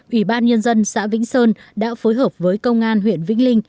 ủy ban nhân dân xã vĩnh sơn đã phối hợp với công an huyện vĩnh linh